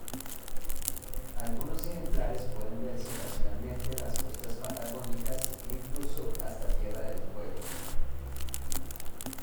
Algunos ejemplares pueden verse ocasionalmente en las costas patagónicas, incluso hasta Tierra del Fuego.